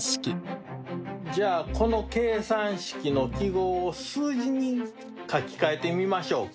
じゃあこの計算式の記号を数字に書き換えてみましょうか。